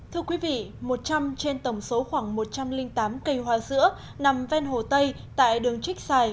thưa quý vị một trăm linh trên tổng số khoảng một trăm linh tám cây hoa sữa nằm ven hồ tây tại đường trích xài